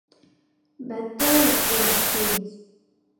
เบตเตอร์ เวิลด์ กรีน